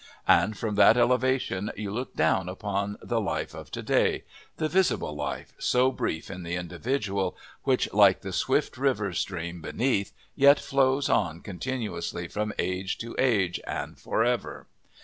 And from that elevation you look down upon the life of to day the visible life, so brief in the individual, which, like the swift silver stream beneath, yet flows on continuously from age to age and for ever.